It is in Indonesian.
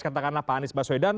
katakanlah pak anies baswedan